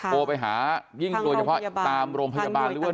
โทรไปหาส่วนตัวเฉพาะจริงตามโรงพยาบาลหรือว่า